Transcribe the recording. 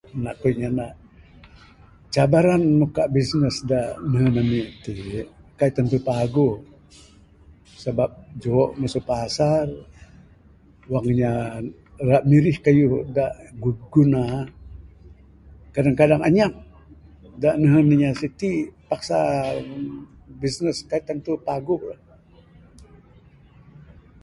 Mina ku nyana cabaran muka bisnes da nehen ami ti kaik tantu paguh sabab juho masu pasar wang inya ra mirih kayuh da gu guna kadang kadang anyap da nehen inya siti paksa bisnes kaik tantu paguh.